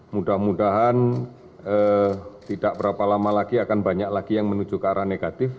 mudah mudahan tidak berapa lama lagi akan banyak lagi yang menuju ke arah negatif